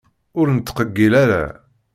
Ur nettqeggil ara.